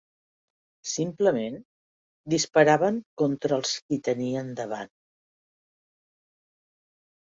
Simplement, disparaven contra els qui tenien davant